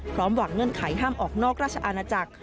หวังเงื่อนไขห้ามออกนอกราชอาณาจักร